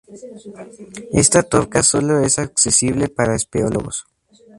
Esta torca solo es accesible para espeleólogos.